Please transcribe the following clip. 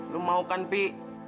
lu mau kan pi